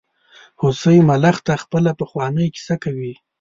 هوسۍ ملخ ته خپله پخوانۍ کیسه کوي.